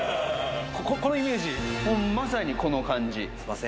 このイメージまさにこの感じすいません